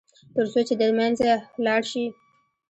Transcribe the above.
تر څو چې د منځه لاړ شي.